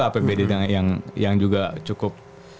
apbd yang juga cukup